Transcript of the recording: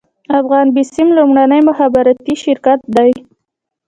افغان بیسیم لومړنی مخابراتي شرکت دی